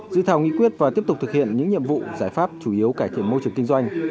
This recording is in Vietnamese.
dự thảo nghị quyết và tiếp tục thực hiện những nhiệm vụ giải pháp chủ yếu cải thiện môi trường kinh doanh